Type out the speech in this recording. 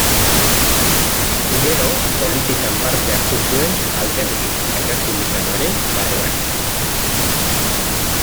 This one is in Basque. Gero, politikan parte hartu zuen alderdi errepublikanoaren barruan.